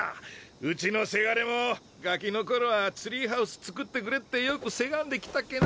うちのせがれもガキの頃はツリーハウス造ってくれってよくせがんできたっけな。